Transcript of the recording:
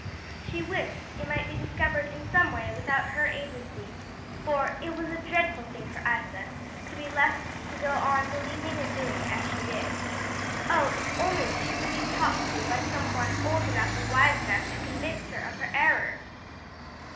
She wished it might be discovered in some way without her agency, for "it was a dreadful thing for Isa to be left to go on believing and doing as she did. Oh, if only she could be talked to by some one old enough and wise enough to convince her of her errors!"